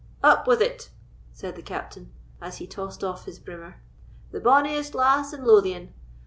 "Up with it," said the Captain, as he tossed off his brimmer, "the bonniest lass in Lothian!